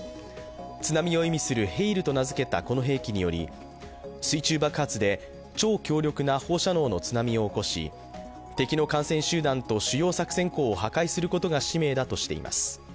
津波を意味するヘイルと名付けたこの兵器により水中爆発で超強力な放射能の津波を起こし敵の艦船集団と主要作戦港を破壊することが使命だとしています。